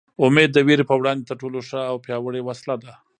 امېد د وېرې په وړاندې تر ټولو ښه او پیاوړې وسله ده.